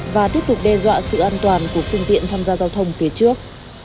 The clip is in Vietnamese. và tiếp tục đe dọa sự an toàn của phương tiện tham gia giao thông phía trước